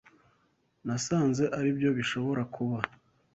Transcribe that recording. Nasanze aribyo bishobora kuba.